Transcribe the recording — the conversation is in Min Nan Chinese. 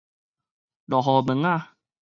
落雨毛仔